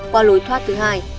qua lối thoát thứ hai